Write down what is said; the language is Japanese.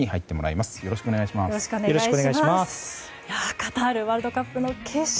カタールワールドカップの決勝。